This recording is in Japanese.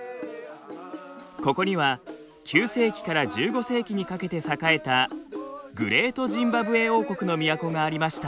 ここには９世紀から１５世紀にかけて栄えたグレート・ジンバブエ王国の都がありました。